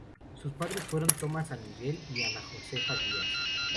Sus padres fueron Tomás San Miguel y Ana Josefa Díaz.